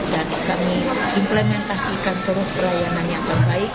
dan kami implementasikan terus pelayanan yang terbaik